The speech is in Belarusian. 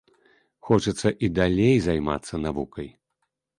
Хочацца і далей займацца навукай.